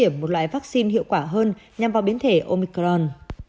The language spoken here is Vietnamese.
phát triển một loại vaccine hiệu quả hơn nhằm vào biến thể omicron